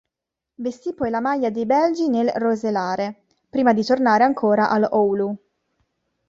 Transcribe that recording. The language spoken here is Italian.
Vestì poi la maglia dei belgi del Roeselare, prima di tornare ancora allo Oulu.